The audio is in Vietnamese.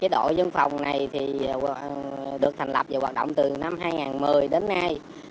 đội dân phòng này được thành lập và hoạt động từ năm hai nghìn một mươi đến nay